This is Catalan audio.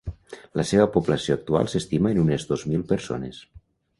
La seva població actual s'estima en unes dos mil persones.